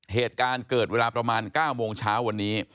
เหตุการณ์เกิดเวลาประมาณ๙โมงเช้าวันนี้